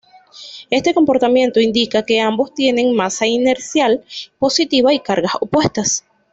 Este comportamiento indica que ambos tienen masa inercial positiva y cargas opuestas.